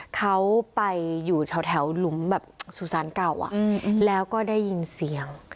เขาไปอยู่แถวหลุมแบบสุสานเก่าแล้วก็ได้ยินเสียง